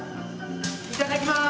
いただきます！